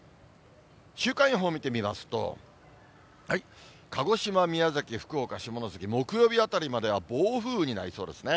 週間予報見てみますと、鹿児島、宮崎、福岡、下関、木曜日あたりまでは暴風雨になりそうですね。